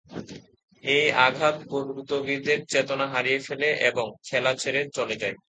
এই আঘাত পর্তুগীজদের চেতনা হারিয়ে ফেলে এবং খেলা ছেড়ে চলে যায়।